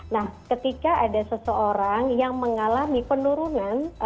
nah ketika ada seseorang yang mengalami penurunan